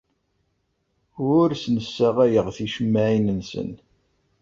Ur asen-ssaɣayeɣ ticemmaɛin-nsen.